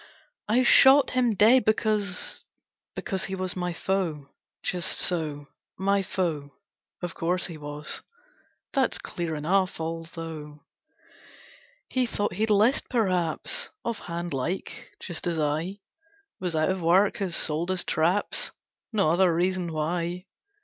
'I shot him dead because Because he was my foe, Just so: my foe of course he was; That's clear enough; although 'He thought he'd 'list, perhaps, Off hand like just as I Was out of work had sold his traps No other reason why.